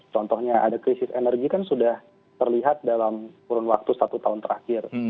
contohnya ada krisis energi kan sudah terlihat dalam kurun waktu satu tahun terakhir